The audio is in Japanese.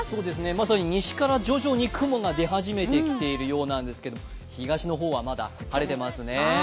まさに西から徐々に雲が出始めてきているようなんですけれども東の方はまだ晴れてますね。